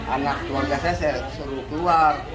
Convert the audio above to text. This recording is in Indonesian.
anak keluarga saya saya suruh keluar